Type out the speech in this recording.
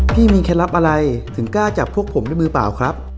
พี่มีเคล็ดลับอะไรถึงกล้าจับพวกผมด้วยมือเปล่าครับ